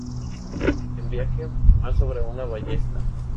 En viaje, va sobre una ballesta.